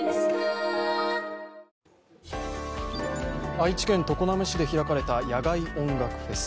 愛知県常滑市で開かれた野外音楽フェス。